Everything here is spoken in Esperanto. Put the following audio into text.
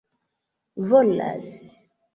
volas